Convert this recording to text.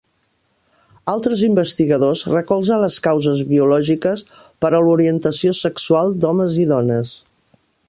Altres investigadors recolzen les causes biològiques per a l'orientació sexual d'homes i dones.